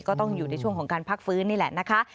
ก็ต้องอยู่ในช่วงของการพักฟื้นนี่แหละนะคะ